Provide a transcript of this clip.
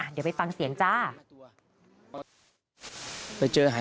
เดี๋ยวไปฟังเสียงจ้า